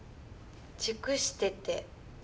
熟してて。